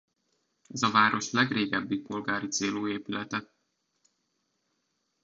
Ez a város legrégebbi polgári célú épülete.